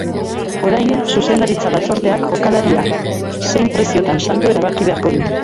Orain, zuzendaritza batzordeak jokalaria zein preziotan saldu erabaki beharko du.